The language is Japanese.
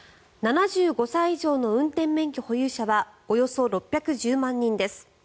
７５歳以上の運転免許保有者はおよそ６１０万人です。